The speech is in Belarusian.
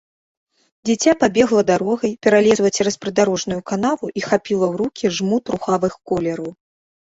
Дзіця пабегла дарогай, пералезла цераз прыдарожную канаву і хапіла ў рукі жмут рухавых колераў.